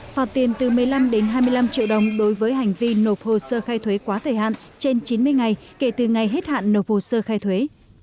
phạt tiền từ một mươi năm đến hai mươi năm triệu đồng đối với hành vi nộp hồ sơ khai thuế quá thời hạn trên chín mươi ngày kể từ ngày hết hạn nộp hồ sơ khai thuế